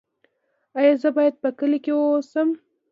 ایا زه باید په کلي کې اوسم؟